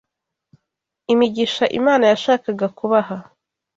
imigisha Imana yashakaga kubaha